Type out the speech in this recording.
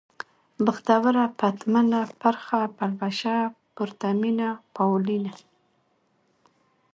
بختوره ، پتمنه ، پرخه ، پلوشه ، پرتمينه ، پاولينه